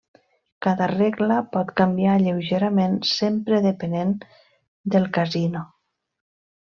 Cada regla pot canviar lleugerament, sempre depenent del casino.